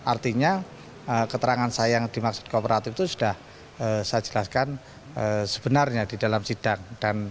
artinya keterangan saya yang dimaksud kooperatif itu sudah saya jelaskan sebenarnya di dalam sidang